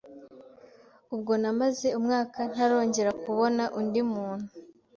Ubwo namaze umwaka ntarongera kubona undi muntu